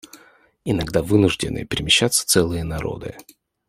Иногда вынуждены перемещаться целые народы.